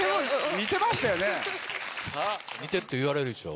似てると言われるでしょ？